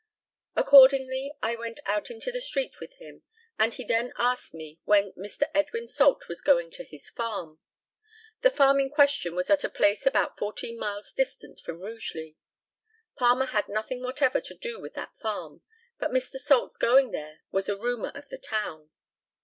Accordingly I went out into the street with him, and he then asked me when Mr. Edwin Salt was going to his farm. The farm in question was at a place about fourteen miles distant from Rugeley. Palmer had nothing whatever to do with that farm; but Mr. Salt's going there was a rumour of the town.